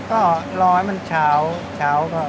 ก็รอให้มันเช้าก็